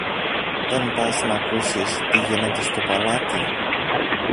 Δεν πας ν' ακούσεις τι γίνεται στο παλάτι;